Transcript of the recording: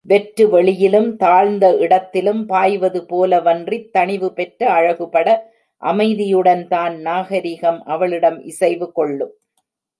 வெற்று வெளியிலும், தாழ்ந்த இடத்திலும் பாய்வது போலவன்றித் தணிவு பெற்ற, அழகுபட, அமைதியுடன்தான் நாகரிகம் அவளிடம் இசைவு கொள்ளும்.